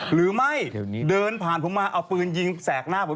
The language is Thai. หรือไม่เดินผ่านผมมาเอาปืนยิงแสกหน้าผม